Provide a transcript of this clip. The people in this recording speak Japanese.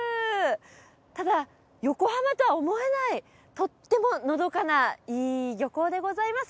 ただ横浜とは思えないとってものどかないい漁港でございます。